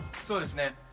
そうですね